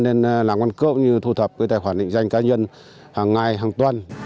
nên làm quán cướp như thu thập cái tài khoản định danh cá nhân hàng ngày hàng tuần